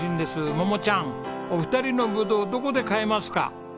桃ちゃんお二人のぶどうどこで買えますか？